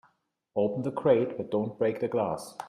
Open the crate but don't break the glass.